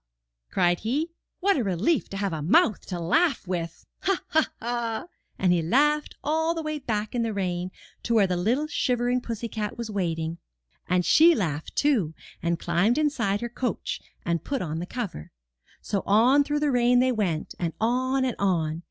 cried he. "What a relief to have a mouth to laugh with! Ha, ha, ha!" And he laughed all the way back in the rain to where the little shivering pussy cat was waiting. And she laughed, too, and climbed inside her coach, and put on the cover. So on through the rain they went, and on and on.